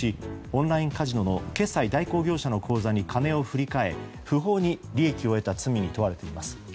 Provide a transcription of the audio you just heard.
オンラインカジノの決済代行業者の口座に金を振り替え不法に利益を得た罪に問われています。